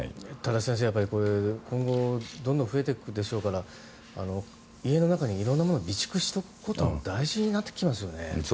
ただ、先生、今後どんどん増えてくでしょうから家の中に色んなものを備蓄しておくことも大事になってきますよね。